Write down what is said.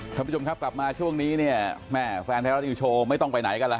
ท่านผู้ชมครับกลับมาช่วงนี้เนี่ยแม่แฟนไทยรัฐนิวโชว์ไม่ต้องไปไหนกันล่ะฮ